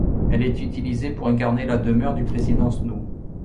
Elle est utilisée pour incarner la demeure du président Snow.